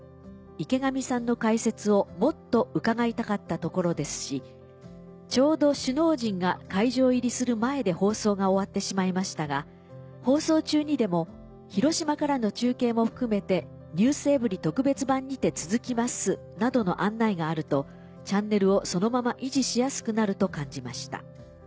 池上さんの解説をもっと伺いたかったところですしちょうど首脳陣が会場入りする前で放送が終わってしまいましたが放送中にでも広島からの中継も含めて『ｎｅｗｓｅｖｅｒｙ．特別版』にて続きますなどの案内があるとチャンネルをそのまま維持しやすくなると感じました」。